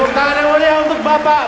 tepuk tangan yang mulia untuk bapak